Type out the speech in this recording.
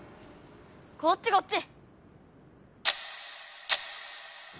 こっちこっち！